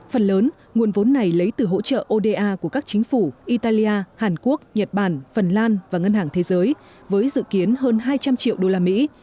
phần lớn nguồn vốn này lấy từ hỗ trợ oda của các chính phủ italia hàn quốc nhật bản phần lan và ngân hàng thế giới với dự kiến hơn hai trăm linh triệu đô la mỹ